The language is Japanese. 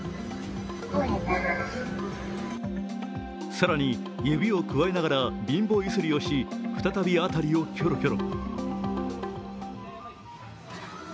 更に、指をくわえながら貧乏ゆすりをし、再び辺りをキョロキョロ。